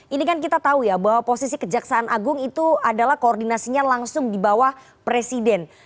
ini kan kita tahu ya bahwa posisi kejaksaan agung itu adalah koordinasinya langsung di bawah presiden